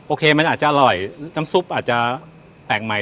โอเคมันอาจจะอร่อยน้ำซุปอาจจะแปลกใหม่